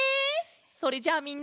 それじゃあみんな。